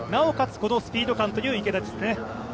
このスピード感という池田ですね。